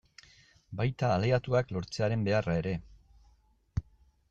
Baita, aliatuak lortzearen beharra ere.